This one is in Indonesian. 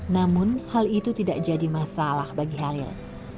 namun hal itu tidak jadi masalah bagi halil